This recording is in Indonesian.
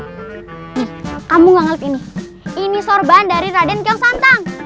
ini kamu gak ngelip ini ini sorban dari raden kiyosantang